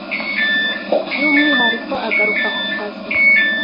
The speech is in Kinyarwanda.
by’umwihariko agaruka ku kazi